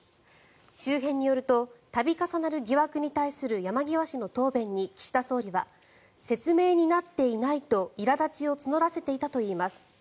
周辺によると度重なる疑惑に対する山際氏の答弁に岸田総理は説明になっていないといら立ちを募らせていたといいます。